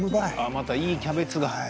また、いいキャベツが。